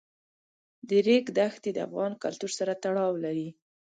د ریګ دښتې د افغان کلتور سره تړاو لري.